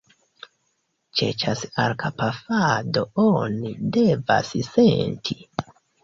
Ĉe ĉas-arkpafado oni devas senti.